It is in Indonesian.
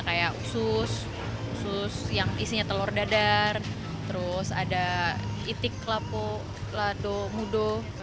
kayak usus usus yang isinya telur dadar terus ada itik lapo lado mudo